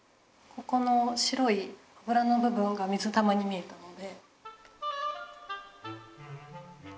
ここの白いあぶらの部分が水玉に見えたので。